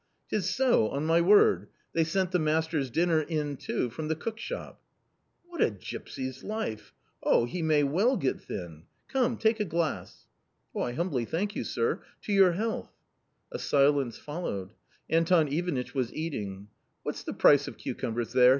" 'Tis so, on my word ; they sent the master's dinner in too from the cookshop." " What a gypsy's life ! oh ! he may well get thin ! Come, take a glass !"" I humbly thank you, sir ! to your health !" A silence followed. Anton Ivanitch was eating. " What's the price of cucumbers there